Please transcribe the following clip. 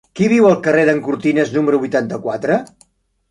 Qui viu al carrer d'en Cortines número vuitanta-quatre?